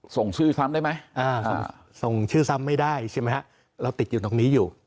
ส่งชื่อซ้ำได้ไหมส่งชื่อซ้ำไม่ได้ใช่ไหมฮะเราติดอยู่ตรงนี้อยู่